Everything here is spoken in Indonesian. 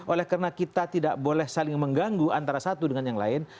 oleh karena kita tidak boleh saling mengganggu antara satu dengan yang lain